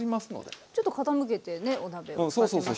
ちょっと傾けてねお鍋を使ってますけど。